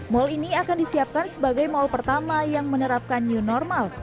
mal ini akan disiapkan sebagai mal pertama yang menerapkan new normal